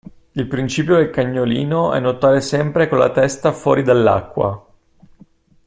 Il principio del cagnolino è nuotare sempre con la testa fuori dall'acqua.